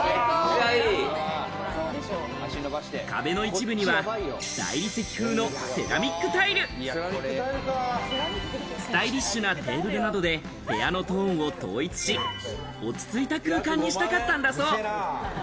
壁の一部には、大理石風のセラミックタイル、スタイリッシュなテーブルなどで部屋のトーンを統一し、落ち着いた空間にしたかったんだそう。